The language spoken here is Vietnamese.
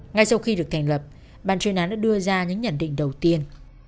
ngay sau khi được thành lập ban chuyên án đã đưa ra những nhận định đầu tiên